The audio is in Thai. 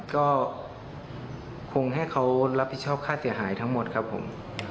ก็คงให้เขารับผิดชอบค่าเสียหายทั้งหมดครับผม